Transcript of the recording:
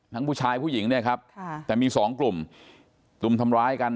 ผู้ชายผู้หญิงเนี่ยครับค่ะแต่มีสองกลุ่มตุ่มทำร้ายกัน